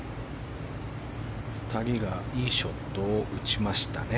２人がいいショットを打ちましたね。